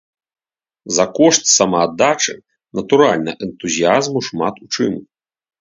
За кошт самааддачы, натуральна, энтузіязму шмат у чым.